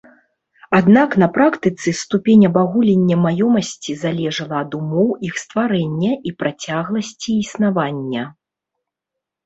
Аднак на практыцы ступень абагулення маёмасці залежала ад умоў іх стварэння і працягласці існавання.